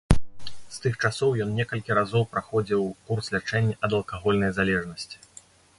З тых часоў ён некалькі разоў праходзіў курс лячэння ад алкагольнай залежнасці.